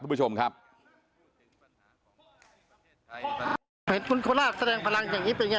แบบจะใช้ความภูมิแรงอย่างเดียวเลย